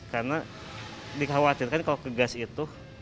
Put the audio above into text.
karena dikhawatirkan kalau ke gas itu